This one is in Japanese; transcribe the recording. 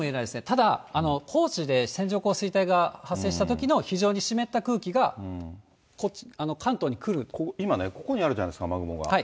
ただ、高知で線状降水帯が発生したときの非常に湿った空気が、今ね、ここにあるじゃないですか、雨雲が。